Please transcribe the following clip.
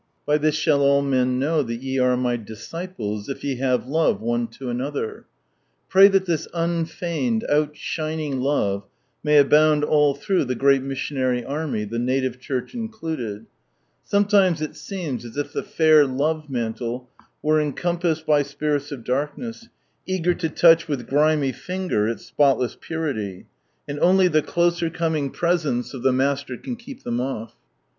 " By this shall all men know that ye are My disciples if ye have love one to another !" Pray that this unfeigned outshining love may abound all through the great missionary army, the native Church included. Sometimes it seems as if the fair Love mantle were encompassed F roinSu n rise Land by spiriu of darkiieM, eager to touch with grimy Soger ia spotless paritr. And ooljr the dofcr cooiing presence of the llaster caa keep them off.